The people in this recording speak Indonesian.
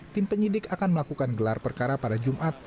tim penyidik akan melakukan gelar perkara pada jumat